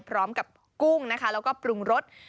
พร้อมกับกุ้งนะคะแล้วก็ปรุงรส